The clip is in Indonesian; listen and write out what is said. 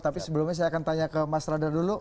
tapi sebelumnya saya akan tanya ke mas radar dulu